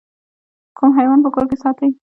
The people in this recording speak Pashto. کوم حیوان په کور کې ساتئ؟